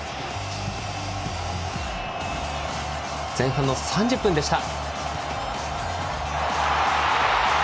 前半３０分でした。